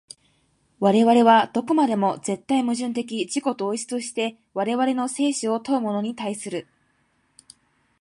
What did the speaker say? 我々はどこまでも絶対矛盾的自己同一として我々の生死を問うものに対する。